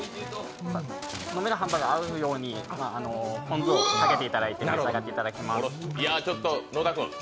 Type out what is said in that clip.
飲めるハンバーグに合うようにポン酢をかけていただいて召し上がっていただきます。